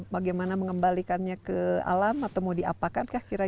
bagaimana mengembalikannya ke alam atau mau diapakan kira kira